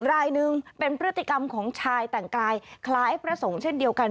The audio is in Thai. รายหนึ่งเป็นพฤติกรรมของชายแต่งกายคล้ายพระสงฆ์เช่นเดียวกัน